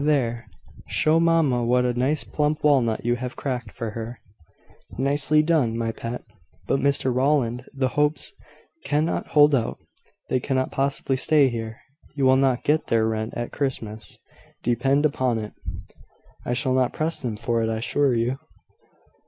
There! show mamma what a nice plump walnut you have cracked for her." "Nicely done, my pet. But, Mr Rowland, the Hopes cannot hold out. They cannot possibly stay here. You will not get their rent at Christmas, depend upon it." "I shall not press them for it, I assure you."